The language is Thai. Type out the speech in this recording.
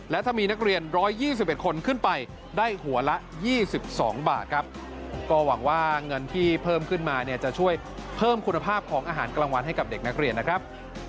และถ้ามีนักเรียน๑๒๑คนขึ้นไปได้หัวละ๒๒บาทครับก็หวังว่าเงินที่เพิ่มขึ้นมาเนี่ยจะช่วยเพิ่มคุณภาพของอาหารกลางวันให้กับเด็กนักเรียนนะครับ